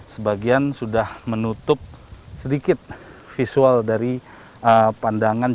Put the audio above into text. sebagian sudah menutup sedikit visual dari pandangan